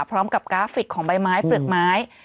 พร้อมกับกราฟิกของใบไม้เปลือกไม้